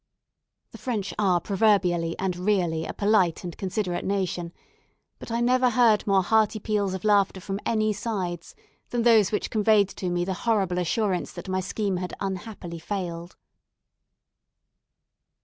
The French are proverbially and really a polite and considerate nation, but I never heard more hearty peals of laughter from any sides than those which conveyed to me the horrible assurance that my scheme had unhappily failed.